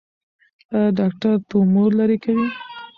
ایا ډاکټر تومور لرې کوي؟